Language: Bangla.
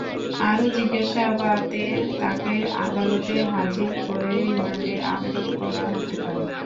আরও জিজ্ঞাসাবাদে তাঁকে আদালতে হাজির করে রিমান্ডের আবেদন করা হতে পারে।